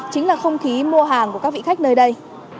chính là không khí mua hàng của các vị khách nơi đây